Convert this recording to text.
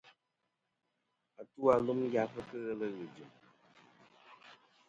Atu-a lum yafɨ kɨ ghelɨ ghɨ̀ jɨ̀m.